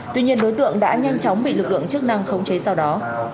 tuy nhiên đối tượng đã nhanh chóng bị lực lượng chức năng khống chế sau đó